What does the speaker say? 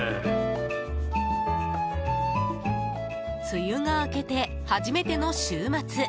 梅雨が明けて、初めての週末。